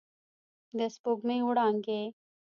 د سپوږمۍ وړانګې